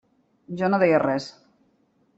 Jo no deia res.